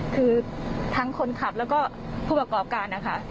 คือทั้งคนขับแล้วก็ผู้ประกอบการนะคะ